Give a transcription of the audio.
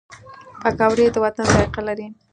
پکورې د وطن ذایقه لري